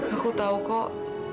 aku tahu kok